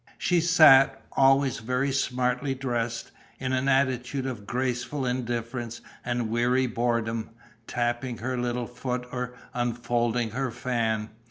She sat, always very smartly dressed, in an attitude of graceful indifference and weary boredom, tapping her little foot or unfolding her fan.